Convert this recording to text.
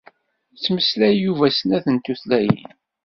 Yettmeslay Yuba snat n tutlayin.